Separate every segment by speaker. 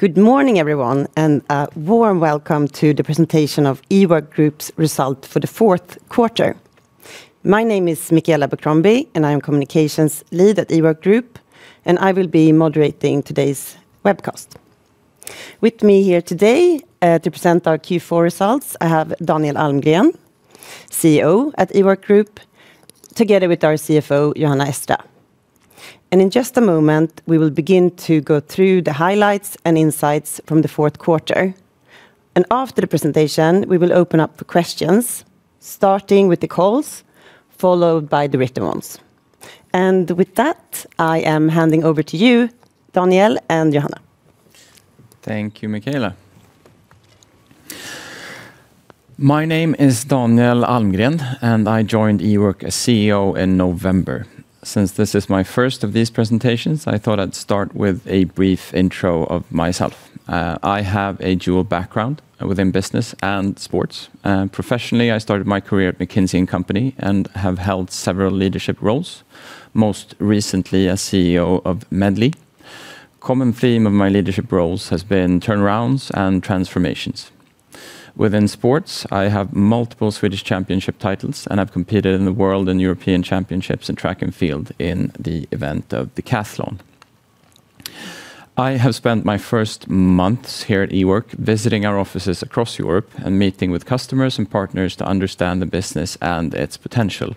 Speaker 1: Good morning, everyone, and a warm welcome to the presentation of Ework Group's result for the fourth quarter. My name is Michaela McCombie, and I am Communications Lead at Ework Group, and I will be moderating today's webcast. With me here today to present our Q4 results, I have Daniel Almgren, CEO at Ework Group, together with our CFO, Johanna Estra. In just a moment, we will begin to go through the highlights and insights from the fourth quarter, and after the presentation, we will open up the questions, starting with the calls, followed by the written ones. With that, I am handing over to you, Daniel and Johanna.
Speaker 2: Thank you, Michaela. My name is Daniel Almgren, and I joined eWork as CEO in November. Since this is my first of these presentations, I thought I'd start with a brief intro of myself. I have a dual background within business and sports. Professionally, I started my career at McKinsey & Company and have held several leadership roles, most recently as CEO of Medley. Common theme of my leadership roles has been turnarounds and transformations. Within sports, I have multiple Swedish Championship titles, and I've competed in the World and European Championships in track and field in the event of decathlon. I have spent my first months here at eWork, visiting our offices across Europe and meeting with customers and partners to understand the business and its potential.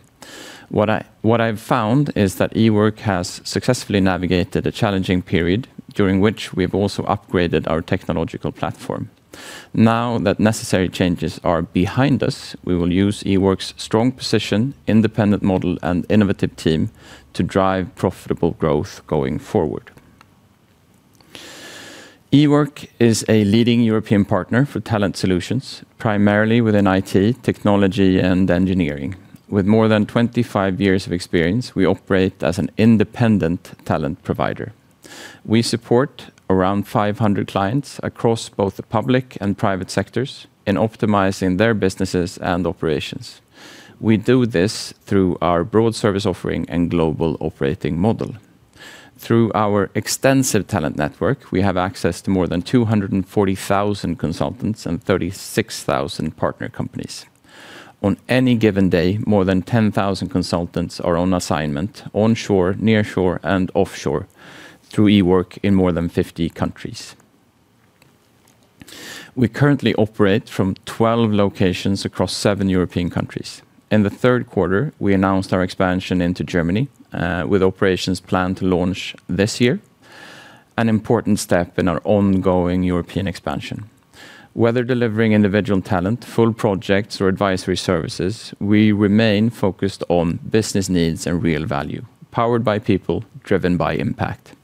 Speaker 2: What I've found is that Ework has successfully navigated a challenging period, during which we have also upgraded our technological platform. Now that necessary changes are behind us, we will use Ework's strong position, independent model, and innovative team to drive profitable growth going forward. Ework is a leading European partner for talent solutions, primarily within IT, technology, and engineering. With more than 25 years of experience, we operate as an independent talent provider. We support around 500 clients across both the public and private sectors in optimizing their businesses and operations. We do this through our broad service offering and global operating model. Through our extensive talent network, we have access to more than 240,000 consultants and 36,000 partner companies. On any given day, more than 10,000 consultants are on assignment, onshore, nearshore, and offshore through Ework in more than 50 countries. We currently operate from 12 locations across seven European countries. In the third quarter, we announced our expansion into Germany with operations planned to launch this year, an important step in our ongoing European expansion. Whether delivering individual talent, full projects, or advisory services, we remain focused on business needs and real value, powered by people, driven by impact.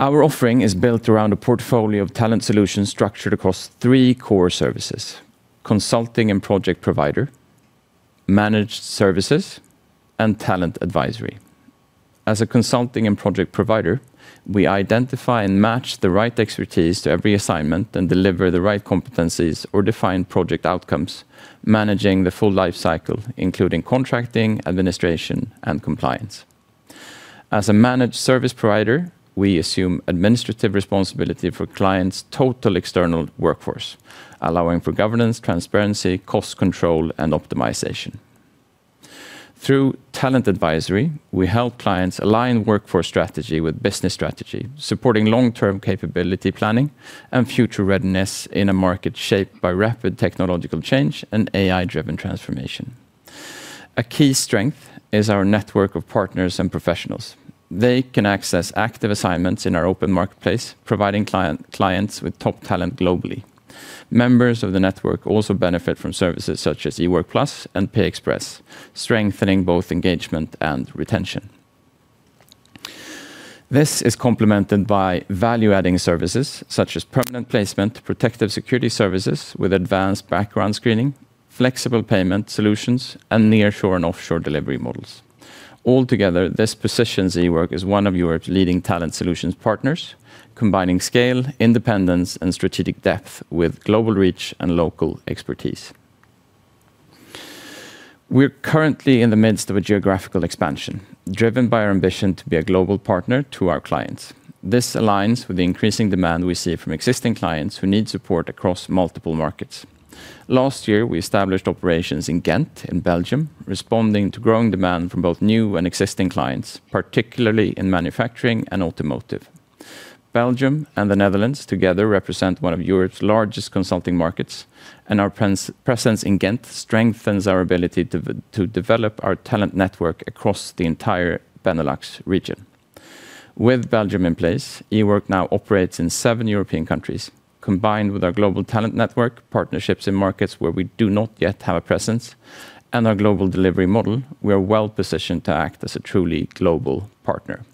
Speaker 2: Our offering is built around a portfolio of talent solutions structured across three core services: consulting and project provider, managed services, and talent advisory. As a consulting and project provider, we identify and match the right expertise to every assignment and deliver the right competencies or define project outcomes, managing the full life cycle, including contracting, administration, and compliance. As a managed service provider, we assume administrative responsibility for clients' total external workforce, allowing for governance, transparency, cost control, and optimization. Through talent advisory, we help clients align workforce strategy with business strategy, supporting long-term capability planning and future readiness in a market shaped by rapid technological change and AI-driven transformation. A key strength is our network of partners and professionals. They can access active assignments in our open marketplace, providing clients with top talent globally. Members of the network also benefit from services such as Ework plus and Pay Express, strengthening both engagement and retention. This is complemented by value-adding services such as permanent placement, protective security services with advanced background screening, flexible payment solutions, and nearshore and offshore delivery models. Altogether, this positions Ework as one of Europe's leading talent solutions partners, combining scale, independence, and strategic depth with global reach and local expertise. We're currently in the midst of a geographical expansion, driven by our ambition to be a global partner to our clients. This aligns with the increasing demand we see from existing clients who need support across multiple markets. Last year, we established operations in Ghent, in Belgium, responding to growing demand from both new and existing clients, particularly in manufacturing and automotive. Belgium and the Netherlands together represent one of Europe's largest consulting markets, and our presence in Ghent strengthens our ability to develop our talent network across the entire Benelux region. With Belgium in place, Ework now operates in seven European countries. Combined with our global talent network, partnerships in markets where we do not yet have a presence, and our global delivery model, we are well-positioned to act as a truly global partner.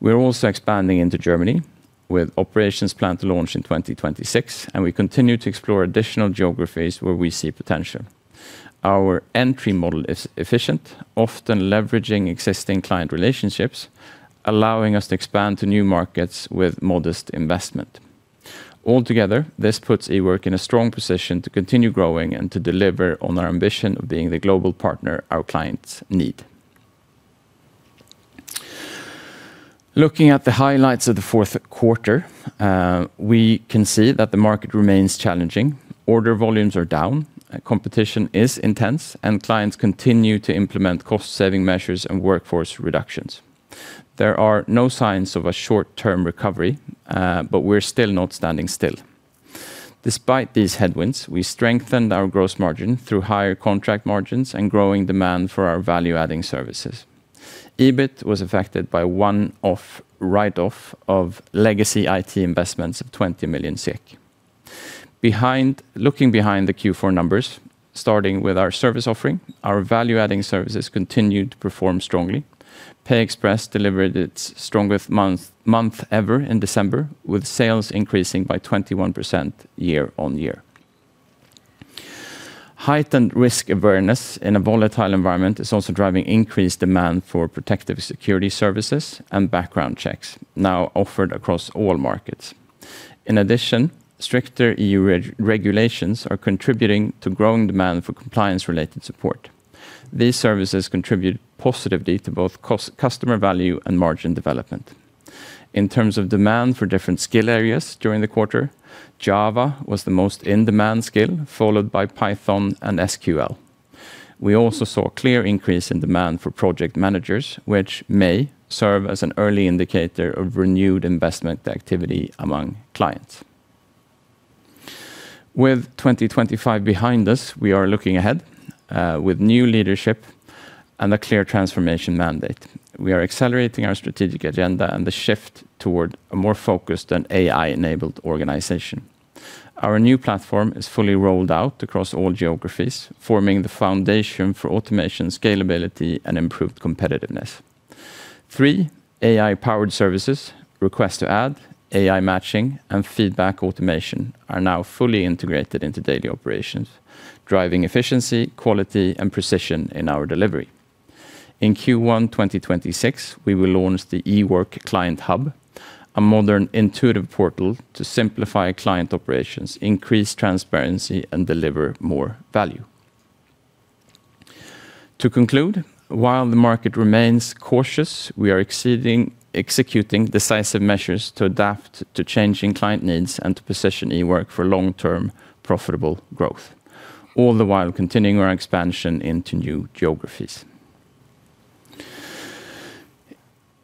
Speaker 2: We're also expanding into Germany, with operations planned to launch in 2026, and we continue to explore additional geographies where we see potential. Our entry model is efficient, often leveraging existing client relationships, allowing us to expand to new markets with modest investment. Altogether, this puts Ework in a strong position to continue growing and to deliver on our ambition of being the global partner our clients need. Looking at the highlights of the fourth quarter, we can see that the market remains challenging. Order volumes are down, and competition is intense, and clients continue to implement cost-saving measures and workforce reductions. There are no signs of a short-term recovery, but we're still not standing still. Despite these headwinds, we strengthened our gross margin through higher contract margins and growing demand for our value-adding services. EBIT was affected by one-off write-off of legacy IT investments of 20 million SEK. Looking behind the Q4 numbers, starting with our service offering, our value-adding services continued to perform strongly. Pay Express delivered its strongest month ever in December, with sales increasing by 21% year-on-year. Heightened risk awareness in a volatile environment is also driving increased demand for protective security services and background checks, now offered across all markets. In addition, stricter EU regulations are contributing to growing demand for compliance-related support. These services contribute positively to both customer value and margin development. In terms of demand for different skill areas during the quarter, Java was the most in-demand skill, followed by Python and SQL. We also saw a clear increase in demand for project managers, which may serve as an early indicator of renewed investment activity among clients. With 2025 behind us, we are looking ahead with new leadership and a clear transformation mandate. We are accelerating our strategic agenda and the shift toward a more focused and AI-enabled organization. Our new platform is fully rolled out across all geographies, forming the foundation for automation, scalability, and improved competitiveness. Three AI-powered services, Request to Add, AI Matching, and Feedback Automation, are now fully integrated into daily operations, driving efficiency, quality, and precision in our delivery. In Q1 2026, we will launch the eWork Client Hub, a modern intuitive portal to simplify client operations, increase transparency, and deliver more value. To conclude, while the market remains cautious, we are executing decisive measures to adapt to changing client needs and to position Ework for long-term, profitable growth, all the while continuing our expansion into new geographies.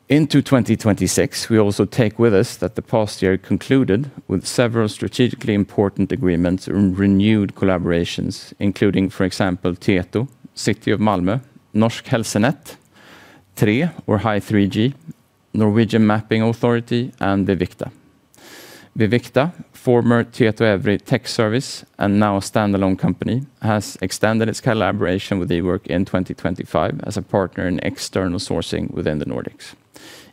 Speaker 2: Into 2026, we also take with us that the past year concluded with several strategically important agreements and renewed collaborations, including, for example, Tietoevry, City of Malmö, Norsk Helsenett, Tre or Hi3G, Norwegian Mapping Authority, and Vivicta. Vivicta, former Tietoevry Tech Services, and now a standalone company, has extended its collaboration with Ework in 2025 as a partner in external sourcing within the Nordics.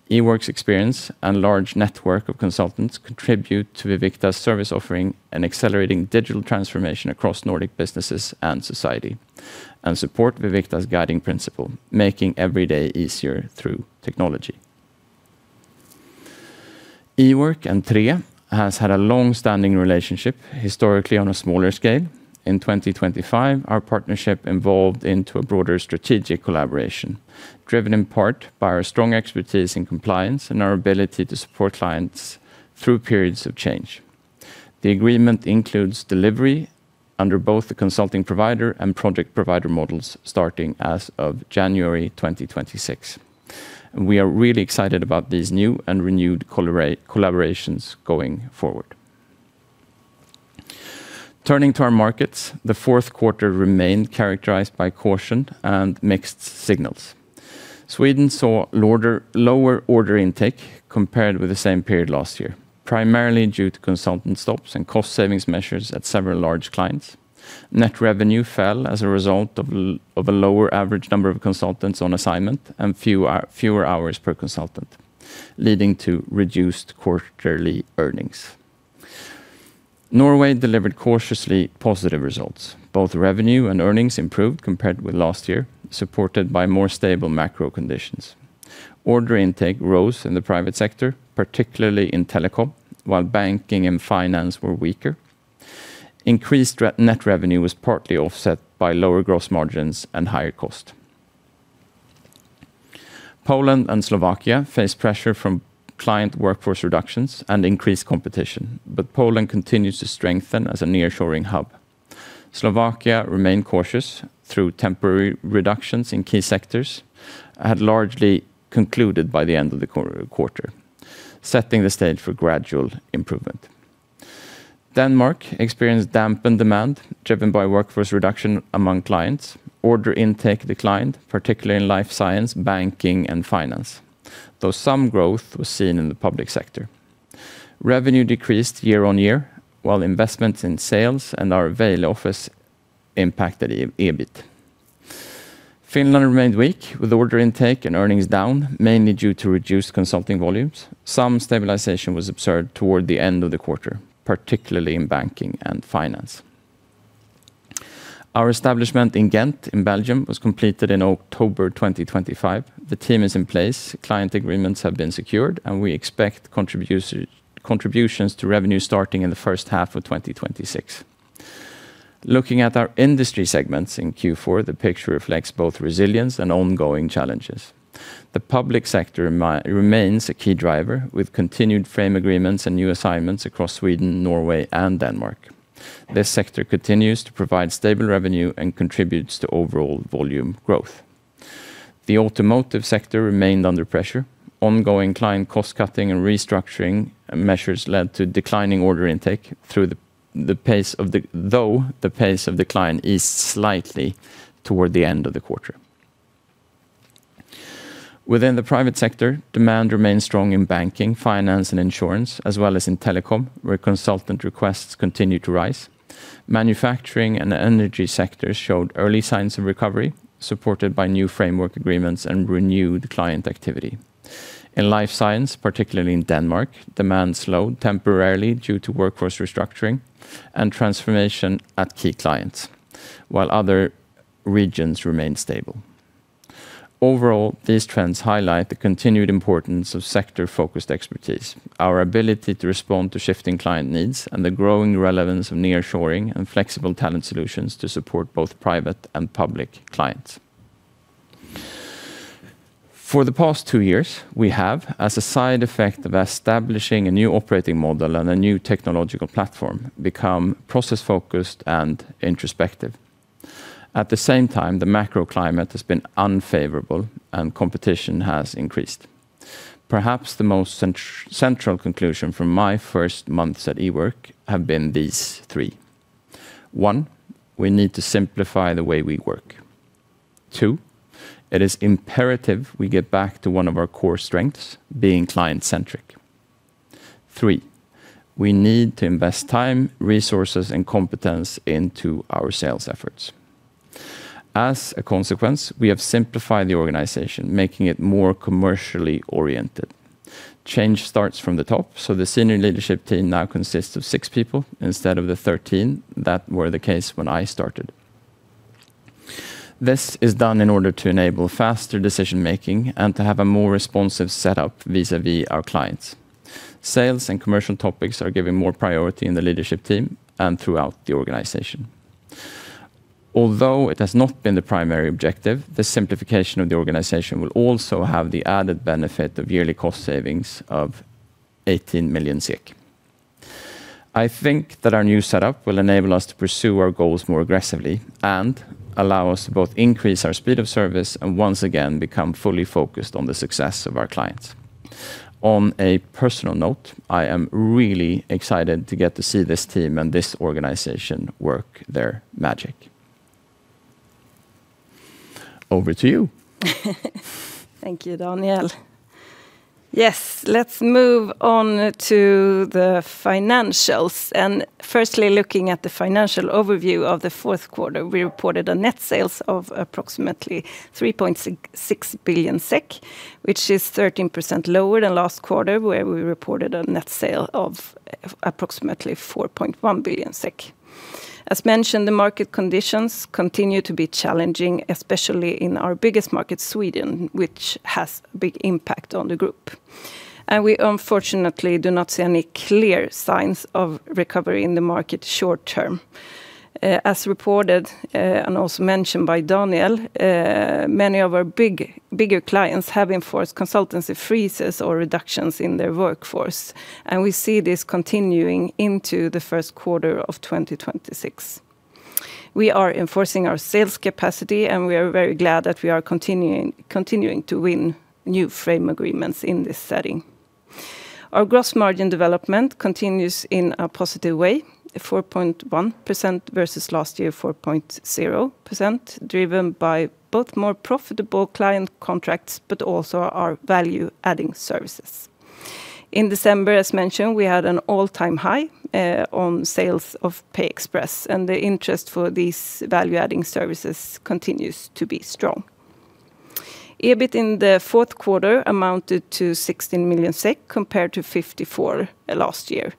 Speaker 2: Ework's experience and large network of consultants contribute to Vivicta's service offering and accelerating digital transformation across Nordic businesses and society, and support Vivicta's guiding principle, making every day easier through technology. Ework and Tre has had a long-standing relationship, historically on a smaller scale. In 2025, our partnership evolved into a broader strategic collaboration, driven in part by our strong expertise in compliance and our ability to support clients through periods of change. The agreement includes delivery under both the consulting provider and project provider models, starting as of January 2026. We are really excited about these new and renewed collaborations going forward. Turning to our markets, the fourth quarter remained characterized by caution and mixed signals. Sweden saw lower order intake compared with the same period last year, primarily due to consultant stops and cost savings measures at several large clients. Net revenue fell as a result of a lower average number of consultants on assignment and fewer hours per consultant, leading to reduced quarterly earnings. Norway delivered cautiously positive results. Both revenue and earnings improved compared with last year, supported by more stable macro conditions. Order intake rose in the private sector, particularly in telecom, while banking and finance were weaker. Increased net revenue was partly offset by lower gross margins and higher cost. Poland and Slovakia faced pressure from client workforce reductions and increased competition, but Poland continues to strengthen as a nearshoring hub. Slovakia remained cautious through temporary reductions in key sectors, and had largely concluded by the end of the quarter, setting the stage for gradual improvement. Denmark experienced dampened demand, driven by workforce reduction among clients. Order intake declined, particularly in life science, banking, and finance, though some growth was seen in the public sector. Revenue decreased year-on-year, while investments in sales and our available office impacted the EBIT. Finland remained weak, with order intake and earnings down, mainly due to reduced consulting volumes. Some stabilization was observed toward the end of the quarter, particularly in banking and finance. Our establishment in Ghent, in Belgium, was completed in October 2025. The team is in place, client agreements have been secured, and we expect contributions to revenue starting in the first half of 2026. Looking at our industry segments in Q4, the picture reflects both resilience and ongoing challenges. The public sector remains a key driver, with continued frame agreements and new assignments across Sweden, Norway, and Denmark. This sector continues to provide stable revenue and contributes to overall volume growth. The automotive sector remained under pressure. Ongoing client cost-cutting and restructuring measures led to declining order intake, though the pace of decline eased slightly toward the end of the quarter. Within the private sector, demand remains strong in banking, finance, and insurance, as well as in telecom, where consultant requests continue to rise. Manufacturing and the energy sector showed early signs of recovery, supported by new framework agreements and renewed client activity. In life science, particularly in Denmark, demand slowed temporarily due to workforce restructuring and transformation at key clients, while other regions remained stable. Overall, these trends highlight the continued importance of sector-focused expertise, our ability to respond to shifting client needs, and the growing relevance of nearshoring and flexible talent solutions to support both private and public clients. For the past two years, we have, as a side effect of establishing a new operating model and a new technological platform, become process-focused and introspective. At the same time, the macro climate has been unfavorable, and competition has increased. Perhaps the most central conclusion from my first months at Ework have been these three: One, we need to simplify the way we work. 2, it is imperative we get back to one of our core strengths, being client-centric. 3, we need to invest time, resources, and competence into our sales efforts. As a consequence, we have simplified the organization, making it more commercially oriented. Change starts from the top, so the senior leadership team now consists of 6 people instead of the 13 that were the case when I started. This is done in order to enable faster decision-making and to have a more responsive setup vis-à-vis our clients. Sales and commercial topics are given more priority in the leadership team and throughout the organization. Although it has not been the primary objective, the simplification of the organization will also have the added benefit of yearly cost savings of 18 million SEK. I think that our new setup will enable us to pursue our goals more aggressively and allow us to both increase our speed of service and once again become fully focused on the success of our clients. On a personal note, I am really excited to get to see this team and this organization work their magic. Over to you.
Speaker 3: Thank you, Daniel. Yes, let's move on to the financials. Firstly, looking at the financial overview of the fourth quarter, we reported net sales of approximately 3.6 billion SEK, which is 13% lower than last quarter, where we reported a net sale of approximately 4.1 billion SEK. As mentioned, the market conditions continue to be challenging, especially in our biggest market, Sweden, which has a big impact on the group. We unfortunately do not see any clear signs of recovery in the market short term. As reported, and also mentioned by Daniel, many of our big, bigger clients have enforced consultancy freezes or reductions in their workforce, and we see this continuing into the first quarter of 2026. We are enforcing our sales capacity, and we are very glad that we are continuing to win new frame agreements in this setting. Our gross margin development continues in a positive way, at 4.1% versus last year, 4.0%, driven by both more profitable client contracts, but also our value-adding services. In December, as mentioned, we had an all-time high on sales of Pay Express, and the interest for these value-adding services continues to be strong. EBIT in the fourth quarter amounted to 16 million SEK, compared to 54 million SEK last year.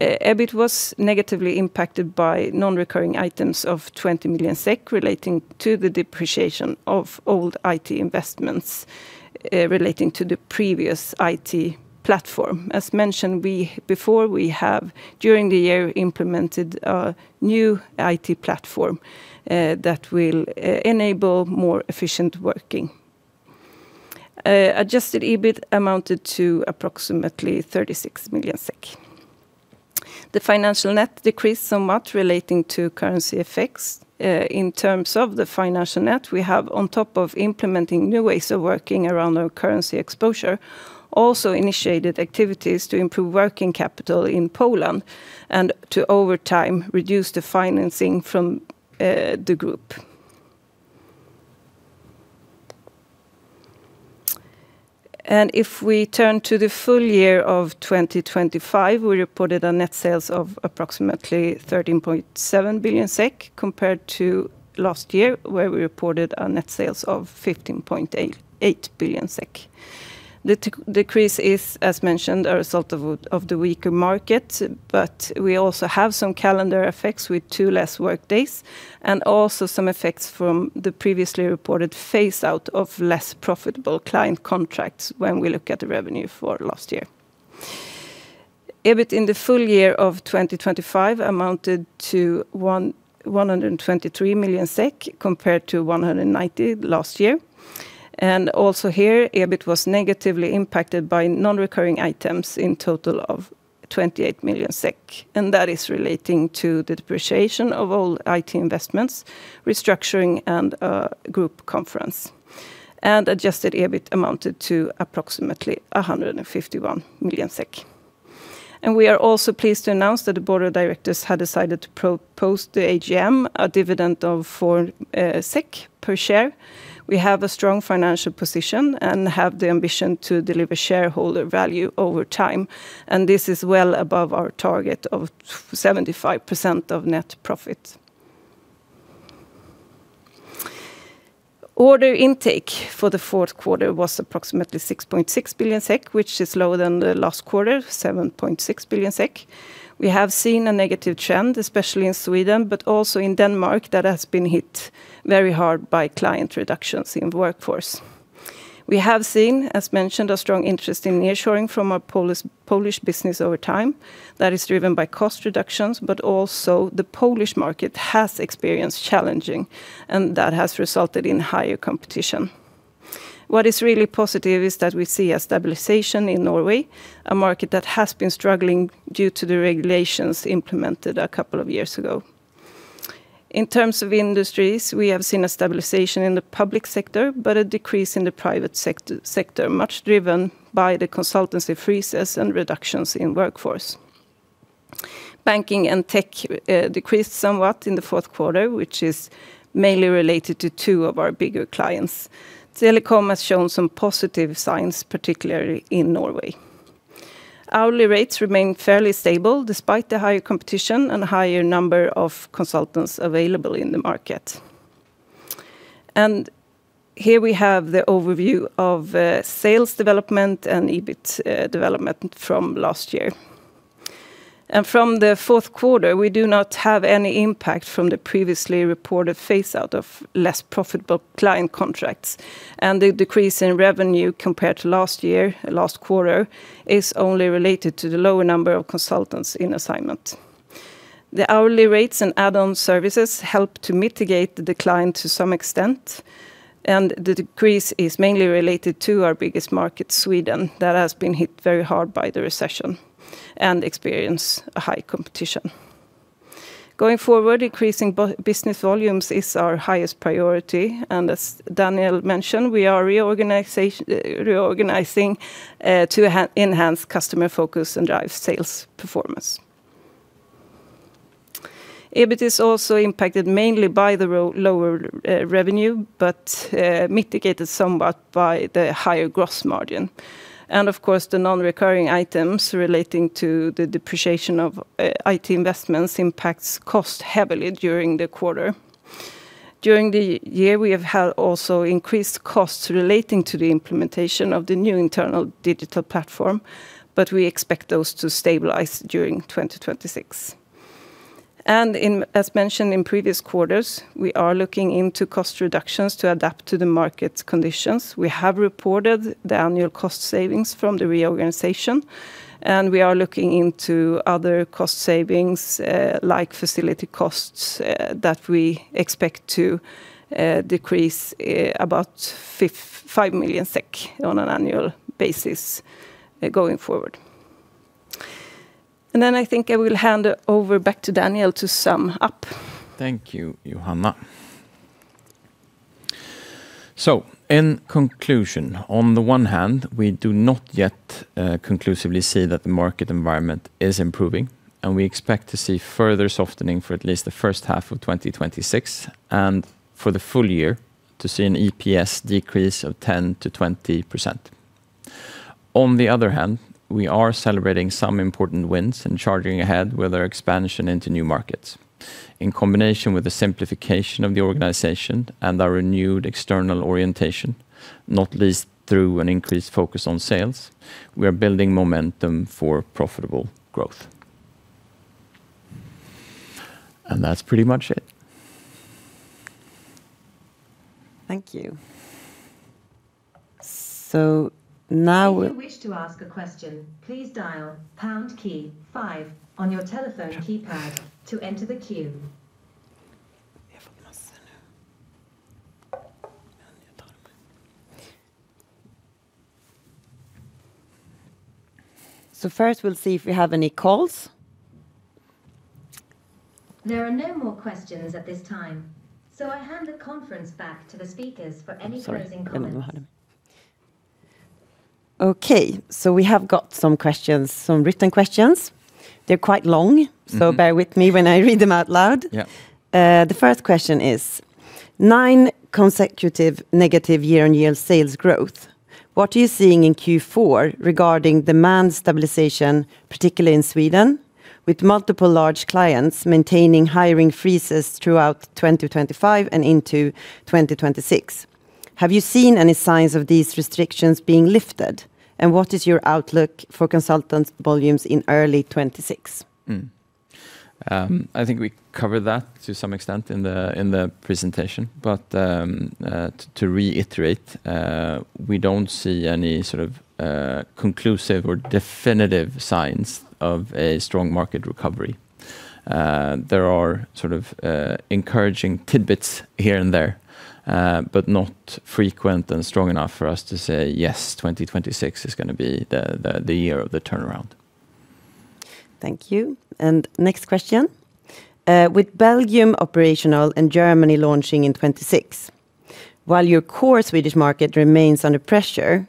Speaker 3: EBIT was negatively impacted by non-recurring items of 20 million SEK relating to the depreciation of old IT investments relating to the previous IT platform. As mentioned, before, we have during the year implemented a new IT platform that will enable more efficient working. Adjusted EBIT amounted to approximately 36 million SEK. The financial net decreased somewhat relating to currency effects. In terms of the financial net, we have, on top of implementing new ways of working around our currency exposure, also initiated activities to improve working capital in Poland and to, over time, reduce the financing from the group. If we turn to the full year of 2025, we reported our net sales of approximately 13.7 billion SEK, compared to last year, where we reported our net sales of 15.88 billion SEK. The decrease is, as mentioned, a result of the weaker market, but we also have some calendar effects with 2 less work days, and also some effects from the previously reported phase-out of less profitable client contracts when we look at the revenue for last year. EBIT in the full year of 2025 amounted to 123 million SEK, compared to 190 million last year. Also here, EBIT was negatively impacted by non-recurring items in total of 28 million SEK, and that is relating to the depreciation of all IT investments, restructuring, and group conference. Adjusted EBIT amounted to approximately 151 million SEK. We are also pleased to announce that the board of directors had decided to propose to the AGM a dividend of 4 SEK per share. We have a strong financial position and have the ambition to deliver shareholder value over time, and this is well above our target of 75% of net profit. Order intake for the fourth quarter was approximately 6.6 billion SEK, which is lower than the last quarter, 7.6 billion SEK. We have seen a negative trend, especially in Sweden, but also in Denmark, that has been hit very hard by client reductions in the workforce. We have seen, as mentioned, a strong interest in nearshoring from our Polish business over time that is driven by cost reductions, but also the Polish market has experienced challenging, and that has resulted in higher competition. What is really positive is that we see a stabilization in Norway, a market that has been struggling due to the regulations implemented a couple of years ago. In terms of industries, we have seen a stabilization in the public sector, but a decrease in the private sector, much driven by the consultancy freezes and reductions in workforce. Banking and tech decreased somewhat in the fourth quarter, which is mainly related to two of our bigger clients. Telecom has shown some positive signs, particularly in Norway. Hourly rates remain fairly stable, despite the higher competition and higher number of consultants available in the market. Here we have the overview of sales development and EBIT development from last year. From the fourth quarter, we do not have any impact from the previously reported phase-out of less profitable client contracts, and the decrease in revenue compared to last year, last quarter, is only related to the lower number of consultants in assignment. The hourly rates and add-on services help to mitigate the decline to some extent, and the decrease is mainly related to our biggest market, Sweden, that has been hit very hard by the recession and experience a high competition. Going forward, increasing business volumes is our highest priority, and as Daniel mentioned, we are reorganizing to enhance customer focus and drive sales performance. EBIT is also impacted mainly by the lower revenue, but mitigated somewhat by the higher gross margin. Of course, the non-recurring items relating to the depreciation of IT investments impacts cost heavily during the quarter. During the year, we have had also increased costs relating to the implementation of the new internal digital platform, but we expect those to stabilize during 2026. As mentioned in previous quarters, we are looking into cost reductions to adapt to the market conditions. We have reported the annual cost savings from the reorganization, and we are looking into other cost savings, like facility costs, that we expect to decrease about 5 million SEK on an annual basis, going forward. Then I think I will hand it over back to Daniel to sum up.
Speaker 2: Thank you, Johanna. So in conclusion, on the one hand, we do not yet conclusively see that the market environment is improving, and we expect to see further softening for at least the first half of 2026, and for the full year, to see an EPS decrease of 10%-20%. On the other hand, we are celebrating some important wins and charging ahead with our expansion into new markets. In combination with the simplification of the organization and our renewed external orientation, not least through an increased focus on sales, we are building momentum for profitable growth. That's pretty much it.
Speaker 3: Thank you. So now-
Speaker 4: If you wish to ask a question, please dial pound key five on your telephone keypad to enter the queue.
Speaker 3: First, we'll see if we have any calls....
Speaker 4: There are no more questions at this time, so I hand the conference back to the speakers for any closing comments.
Speaker 1: Sorry. Okay, so we have got some questions, some written questions. They're quite long-
Speaker 2: Mm.
Speaker 1: So bear with me when I read them out loud.
Speaker 2: Yeah.
Speaker 1: The first question is, "Nine consecutive negative year-on-year sales growth. What are you seeing in Q4 regarding demand stabilization, particularly in Sweden, with multiple large clients maintaining hiring freezes throughout 2025 and into 2026? Have you seen any signs of these restrictions being lifted, and what is your outlook for consultant volumes in early 2026?
Speaker 2: I think we covered that to some extent in the presentation. But, to reiterate, we don't see any sort of conclusive or definitive signs of a strong market recovery. There are sort of encouraging tidbits here and there, but not frequent and strong enough for us to say, "Yes, 2026 is gonna be the year of the turnaround.
Speaker 1: Thank you, and next question. "With Belgium operational and Germany launching in 2026, while your core Swedish market remains under pressure,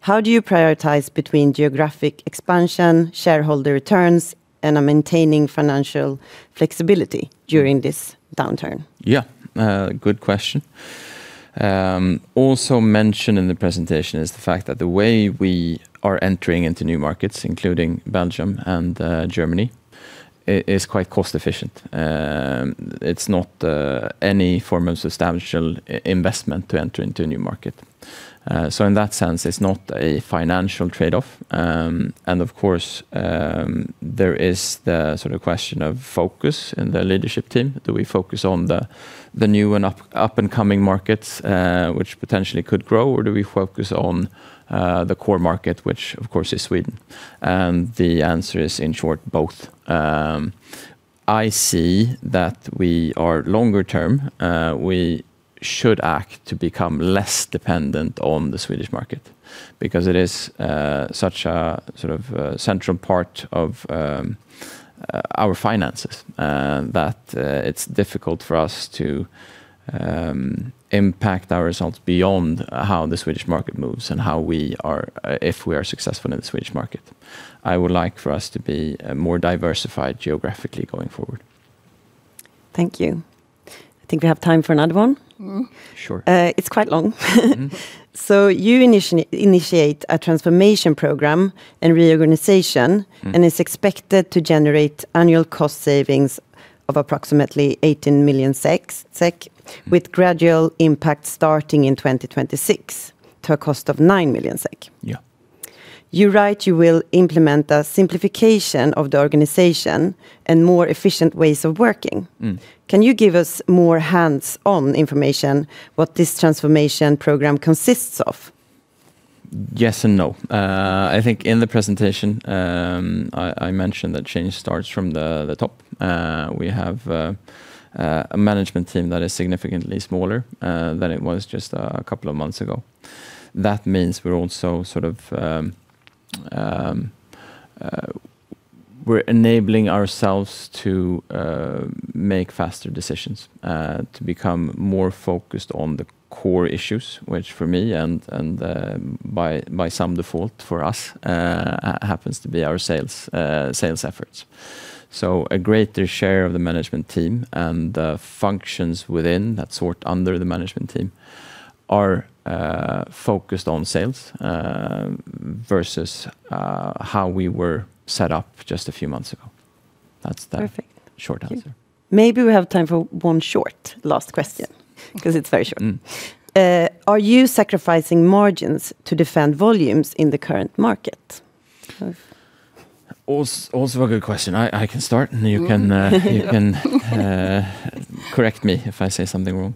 Speaker 1: how do you prioritize between geographic expansion, shareholder returns, and on maintaining financial flexibility during this downturn?
Speaker 2: Yeah, good question. Also mentioned in the presentation is the fact that the way we are entering into new markets, including Belgium and Germany, is quite cost efficient. It's not any form of substantial investment to enter into a new market. So in that sense, it's not a financial trade-off. And of course, there is the sort of question of focus in the leadership team. Do we focus on the new and up-and-coming markets, which potentially could grow, or do we focus on the core market, which of course is Sweden? And the answer is, in short, both. I see that longer term, we should act to become less dependent on the Swedish market, because it is such a sort of central part of our finances that it's difficult for us to impact our results beyond how the Swedish market moves and how we are if we are successful in the Swedish market. I would like for us to be more diversified geographically going forward.
Speaker 1: Thank you. I think we have time for another one.
Speaker 3: Mm.
Speaker 2: Sure.
Speaker 1: It's quite long.
Speaker 2: Mm.
Speaker 1: So you initiate a transformation program and reorganization.
Speaker 2: Mm.
Speaker 1: and it's expected to generate annual cost savings of approximately 18 million SEK.
Speaker 2: Mm...
Speaker 1: with gradual impact starting in 2026, to a cost of 9 million SEK.
Speaker 2: Yeah.
Speaker 1: You write you will implement a simplification of the organization and more efficient ways of working.
Speaker 2: Mm.
Speaker 1: Can you give us more hands-on information what this transformation program consists of?
Speaker 2: Yes and no. I think in the presentation, I mentioned that change starts from the top. We have a management team that is significantly smaller than it was just a couple of months ago. That means we're also sort of we're enabling ourselves to make faster decisions to become more focused on the core issues, which for me and by some default for us happens to be our sales sales efforts. So a greater share of the management team and the functions within that sort under the management team are focused on sales versus how we were set up just a few months ago. That's the-
Speaker 1: Perfect...
Speaker 2: short answer.
Speaker 1: Okay. Maybe we have time for one short last question-
Speaker 3: Yeah....
Speaker 1: because it's very short.
Speaker 2: Mm.
Speaker 1: Are you sacrificing margins to defend volumes in the current market?
Speaker 3: Of-
Speaker 2: Also a good question. I can start, and you can correct me if I say something wrong.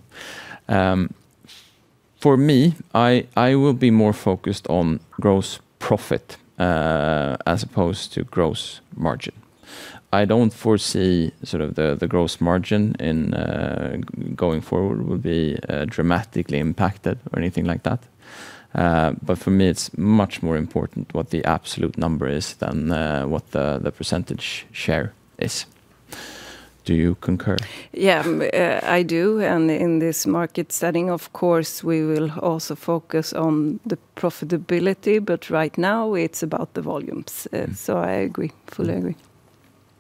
Speaker 2: For me, I will be more focused on gross profit as opposed to gross margin. I don't foresee the gross margin going forward will be dramatically impacted or anything like that. But for me, it's much more important what the absolute number is than what the percentage share is. Do you concur?
Speaker 3: Yeah, I do, and in this market setting, of course, we will also focus on the profitability. But right now, it's about the volumes.
Speaker 2: Mm.
Speaker 3: So, I agree, fully agree.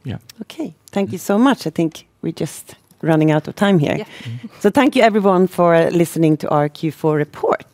Speaker 2: Yeah.
Speaker 1: Okay, thank you so much. I think we're just running out of time here.
Speaker 3: Yeah.
Speaker 2: Mm-hmm.
Speaker 1: Thank you everyone for listening to our Q4 report.